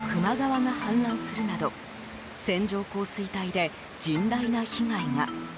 ２年前、熊本県の球磨川が氾濫するなど線状降水帯で甚大な被害が。